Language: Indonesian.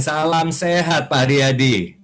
selamat siang salam sehat pak aryadi